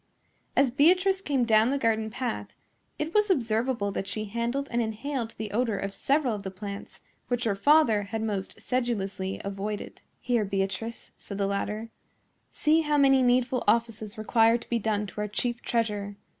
As Beatrice came down the garden path, it was observable that she handled and inhaled the odor of several of the plants which her father had most sedulously avoided. "Here, Beatrice," said the latter, "see how many needful offices require to be done to our chief treasure.